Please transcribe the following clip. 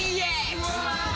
うわ！